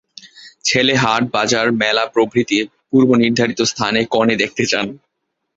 ছেলে হাট, বাজার, মেলা প্রভৃতি পূর্বনির্ধারিত স্থানে কনে দেখতে যান।